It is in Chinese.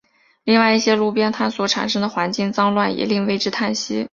另外一些路边摊所产生的环境脏乱也令为之叹息。